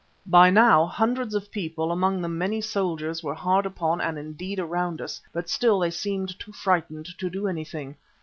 By now hundreds of people, among them many soldiers were hard upon and indeed around us, but still they seemed too frightened to do anything.